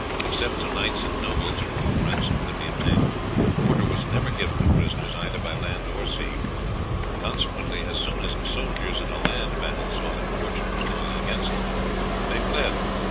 Except to knights and nobles, from whom ransom could be obtained, quarter was never given to prisoners either by land or sea, consequently as soon as soldiers in a land battle saw that fortune was going against them they fled.